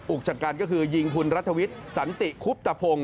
จัดการก็คือยิงคุณรัฐวิทย์สันติคุบตะพงศ